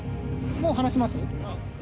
もう放します？